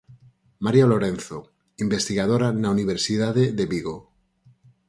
María Lorenzo, investigadora na Universidade de Vigo.